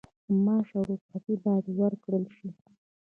معاش او رخصتي باید ورکړل شي.